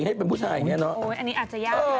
ให้เป็นผื้นไห้แบบนี้แล้วเนอะโอ้โฮนี่อาจจะยากแล้วกันอื้อ